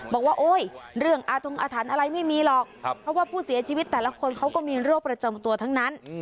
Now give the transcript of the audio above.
บอกว่าโอ๊ยเรื่องอาทงอาถรรพ์อะไรไม่มีหรอกเพราะว่าผู้เสียชีวิตแต่ละคนเขาก็มีโรคประจำตัวทั้งนั้น